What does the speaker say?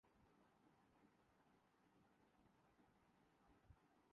لیکن ہم اس بارے کچھ سوچ نہیں رکھتے۔